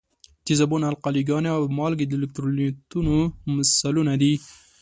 تیزابونه، القلي ګانې او مالګې د الکترولیتونو مثالونه دي.